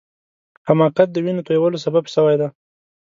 حماقت د وینو تویولو سبب سوی دی.